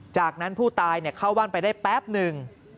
จากนั้นผู้ตายเข้าบ้านไปได้แป๊บหนึ่ง